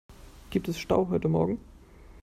Gibt es Stau heute morgen?